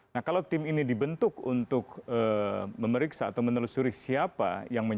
nah kalau tim ini dibentuk untuk memeriksa atau menelusuri siapa yang menyalahgunakan proses itu